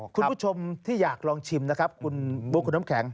คุณผู้ชมที่อยากลองชิมนะครับคุณบุ๊คคุณน้ำแข็ง